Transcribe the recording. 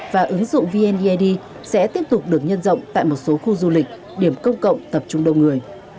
và ứng dụng vneid sẽ tiếp tục được nhân rộng tại một số khu du lịch điểm công cộng tập trung đông người